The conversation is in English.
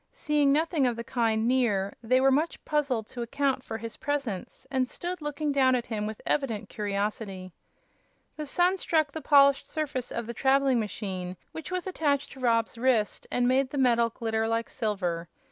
Seeing nothing of the kind near they were much puzzled to account for his presence, and stood looking down at him with evident curiosity. The sun struck the polished surface of the traveling machine which was attached to Rob's wrist and made the metal glitter like silver.